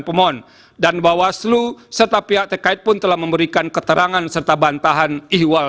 pemohon dan bawaslu serta pihak terkait pun telah memberikan keterangan serta bantahan ihwal